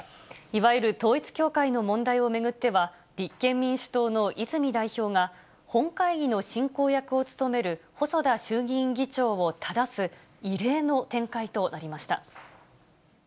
いわゆる統一教会の問題を巡っては、立憲民主党の泉代表が、本会議の進行役を務める細田衆議院議長をただす、異例の展開となりました。